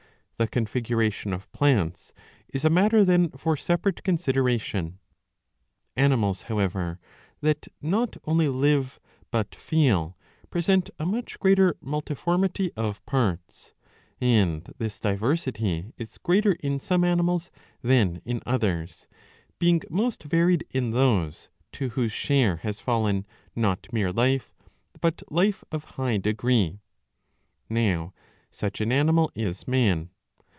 ^ The configuration of plants is a matter then for separate consideration. Animals, however, that not only live but feel, present a much greater multiformity of parts, and this diversity is greater in some animals than in others, being most varied in those, to whose share has fallen not mere life but life of high degree. Now such an animal is man.